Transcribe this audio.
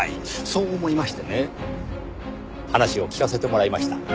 そう思いましてね話を聞かせてもらいました。